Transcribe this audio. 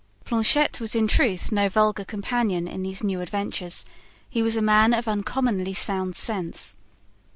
Planchet was in truth no vulgar companion in these new adventures; he was a man of uncommonly sound sense.